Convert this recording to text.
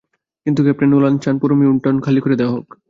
কিন্তু, captain Nolan চান, পুরো মিডটাউন খালি করে দেওয়া হোক।